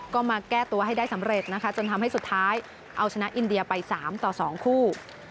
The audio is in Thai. ก็มาแก้ตัวให้ได้สำเร็จนะคะจนทำให้สุดท้ายเอาชนะอินเดียไป๓ต่อ๒คู่